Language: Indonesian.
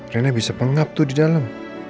karena bisa pengap tuh di dalam